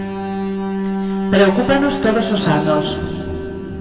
Preocúpanos todos os anos.